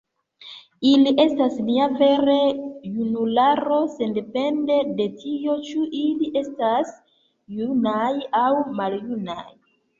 “Ili estas nia vera junularo sendepende de tio, ĉu ili estas junaj aŭ maljunaj.